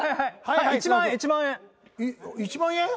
い１万円？